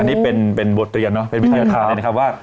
อันนี้เป็นบทเรียนเนาะเป็นวิทยาฐานนะครับว่า